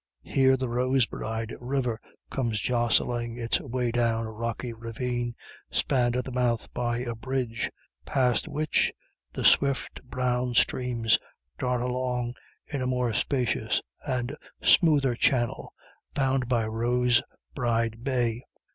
Here the Rosbride river comes jostling its way down a rocky ravine spanned at the mouth by a bridge, past which the swift, brown stream darts along in a more spacious and smoother channel, bound for Rosbride Bay.